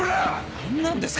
何なんですか